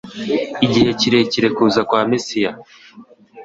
igihe kirekire kuza kwa Mesiya!.